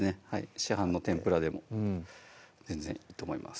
市販の天ぷらでも全然いいと思います